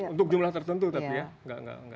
untuk jumlah tertentu tapi ya